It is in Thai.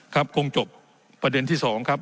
คงจบประเด็นที่๒ครับ